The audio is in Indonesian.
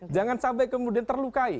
jangan sampai kemudian terlukai